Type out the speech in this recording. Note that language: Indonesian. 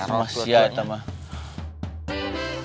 hermos ya itu mah